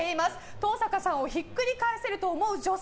登坂さんをひっくり返せると思う女性